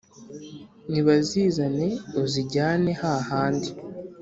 nibazizane uzijyane, hahandi